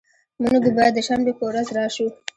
مونږ به د شنبې په ورځ راشو